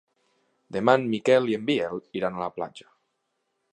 Demà en Miquel i en Biel iran a la platja.